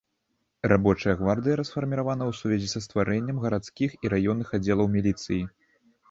Рабочая гвардыя расфарміравана ў сувязі са стварэннем гарадскіх і раённых аддзелаў міліцыі.